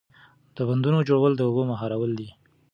د بندونو جوړول د اوبو مهارول دي.